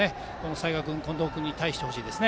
齊賀君、近藤君に対してほしいです。